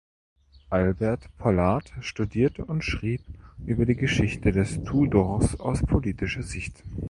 Albert Pollard studierte und schrieb über die Geschichte der Tudors aus politischer Sicht.